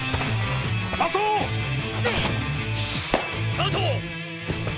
・アウト！